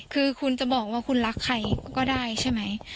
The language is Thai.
คือคุณจะบอกว่าคุณรักใครก็ได้ใช่ไหม